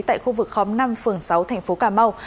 tại khu vực khóm năm phường sáu tp cà mau